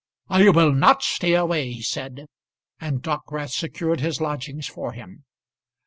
"I will not stay away," he said; and Dockwrath secured his lodgings for him.